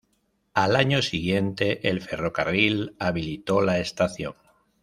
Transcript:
Al año siguiente el ferrocarril habilitó la estación.